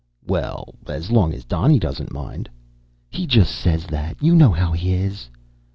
"Well, as long as Donny doesn't mind " "He just says that. You know how he is."